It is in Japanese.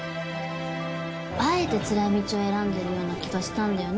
あえてつらい道を選んでるような気がしたんだよね